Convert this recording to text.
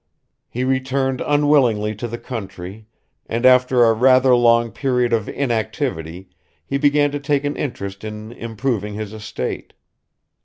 He returned unwillingly to the country and after a rather long penod of inactivity he began to take an interest in improving his estate.